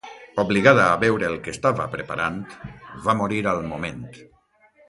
Obligada a beure el que estava preparant, va morir al moment.